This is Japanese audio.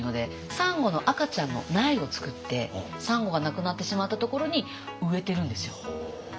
サンゴの赤ちゃんの苗を作ってサンゴがなくなってしまったところに植えてるんですよ。